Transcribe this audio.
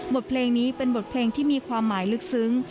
บทเพลงนี้เป็นบทเพลงที่มีความหมายลึกซึ้ง